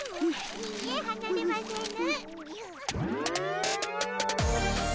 いいえはなれませぬ。